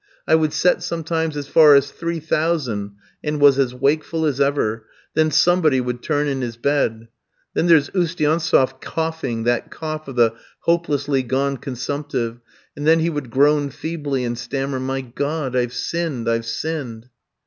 I would set sometimes as far as three thousand, and was as wakeful as ever. Then somebody would turn in his bed. Then there's Oustiantsef coughing, that cough of the hopelessly gone consumptive, and then he would groan feebly, and stammer, "My God, I've sinned, I've sinned!"